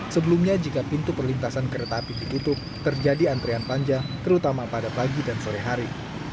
sebelumnya jika pintu perlintasan kereta api ditutup terjadi antrian panjang terutama pada pagi dan sore hari